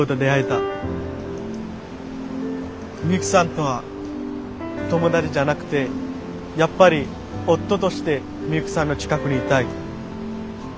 ミユキさんとは友達じゃなくてやっぱり夫としてミユキさんの近くにいたい。